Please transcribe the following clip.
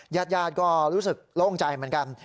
ญาติญาติก็รู้สึกโล่งใจเหมือนกัน